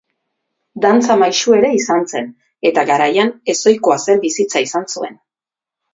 Dantza maisu ere izan zen eta garaian ez ohikoa zen bizitza izan zuen.